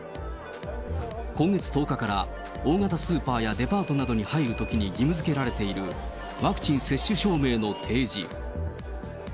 今月１０日から大型スーパーやデパートなどに入るときに義務づけられているワクチン接種証明の提示。